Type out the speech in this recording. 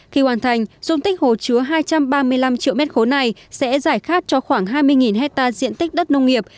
khi hoàn thành dung tích hồ chứa hai trăm ba mươi năm triệu m ba này sẽ giải khát cho khoảng hai mươi hectare diện tích đất nông nghiệp